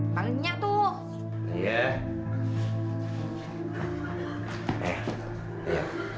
banyak tuh iya